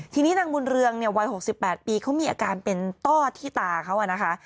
ทีนี้นางบุญเรืองเนี่ยวัย๖๘ปีเขามีอาการเป็นต้อที่ตาเขานะคะ